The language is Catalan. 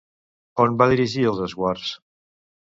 On va dirigir els esguards?